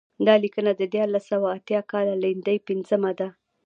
دا لیکنه د دیارلس سوه اته اتیا کال د لیندۍ پنځمه ده.